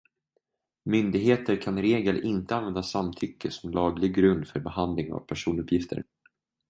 Myndigheter kan i regel inte använda samtycke som laglig grund för behandling av personuppgifter.